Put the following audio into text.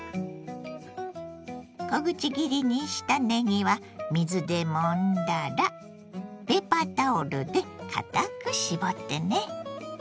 小口切りにしたねぎは水でもんだらペーパータオルで堅く絞ってね。